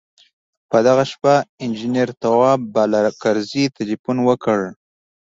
په دغه شپه انجنیر تواب بالاکرزی تیلفون وکړ.